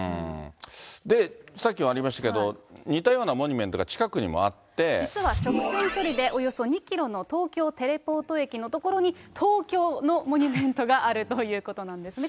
で、さっきもありましたけど、似たようなモニュメントが近くに実は直線距離で、およそ２キロの東京テレポート駅の所にＴＯＫＹＯのモニュメントがあるということなんですね。